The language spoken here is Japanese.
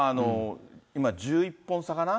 今１１本差かな。